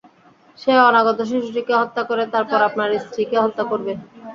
সে অনাগত শিশুটিকে হত্যা করে তারপর আপনার স্ত্রীকে হত্যা করবে!